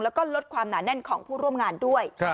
แล้วก็ลดความหนาแน่นของผู้ร่วมงานด้วย